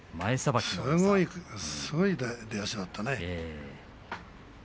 すごい出足だったね。